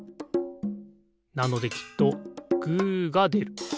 なのできっとグーがでる。